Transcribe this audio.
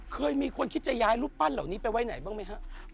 เคยมีคนคิดจะย้ายรูปปั้นเหล่านี้ไปไว้ไหนบ้างไหมครับ